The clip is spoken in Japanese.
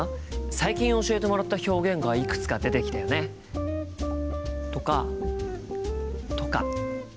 最近教えてもらった表現がいくつか出てきたよね。とか。とか。